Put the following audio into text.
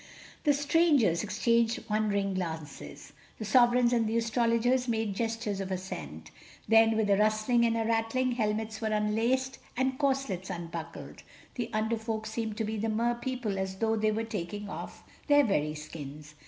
The strangers exchanged wondering glances. The Sovereigns and the Astrologers made gestures of assent—then, with a rustling and a rattling, helmets were unlaced and corselets unbuckled, the Under Folk seemed to the Mer people as though they were taking off their very skins.